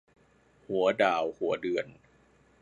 หัวดาวหัวเดือน